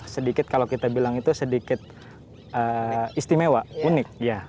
sedikit kalau kita bilang itu sedikit istimewa unik